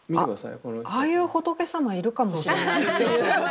ああいう仏様いるかもしれない。